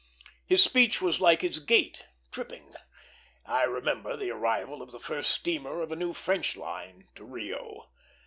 His speech was like his gait, tripping. I remember the arrival of the first steamer of a new French line to Rio.